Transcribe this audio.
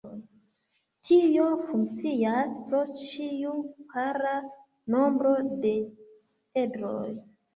Tio funkcias por ĉiu para nombro de edroj.